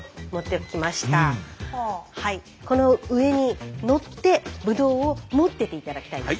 この上に乗ってブドウを持ってて頂きたいんです。